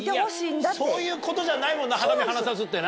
そういうことじゃないもんな肌身離さずってな。